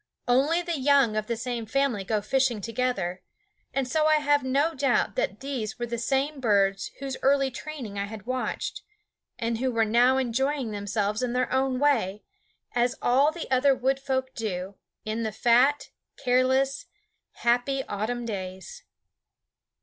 Only the young of the same family go fishing together; and so I have no doubt that these were the same birds whose early training I had watched, and who were now enjoying themselves in their own way, as all the other Wood Folk do, in the fat, careless, happy autumn days.